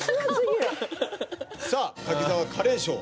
さあ滝沢カレン賞を。